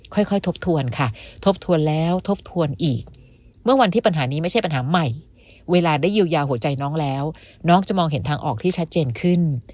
ค่อยทบทวนค่ะทบทวนแล้วทบทวนอีกเมื่อวันที่ปัญหานี้ไม่ใช่ปัญหาใหม่เวลาได้เยียวยาหัวใจน้องแล้วน้องจะมองเห็นทางออกที่ชัดเจนขึ้น